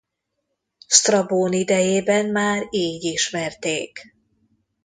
Sztrabón idejében már így ismerték.